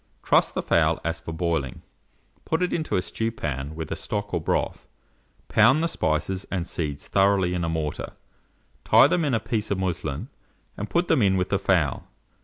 Truss the fowl as for boiling, put it into a stewpan with the stock or broth; pound the spices and seeds thoroughly in a mortar, tie them in a piece of muslin, and put them in with the fowl.